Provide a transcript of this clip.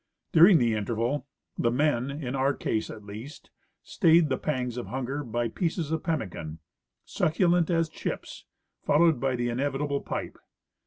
During this interval the men, in our case at least, stay the pangs of hunger by pieces of pemmican, succulent as chip :?, fol lowed by the inevitable pipe.